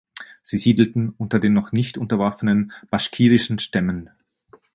Sie siedelten unter den noch nicht unterworfenen baschkirischen Stämmen.